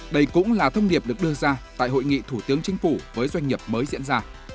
đây cũng là thông điệp được đưa ra tại hội nghị thủ tướng chính phủ với doanh nghiệp mới diễn ra